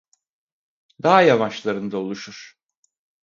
Dağ yamaçlarında oluşur.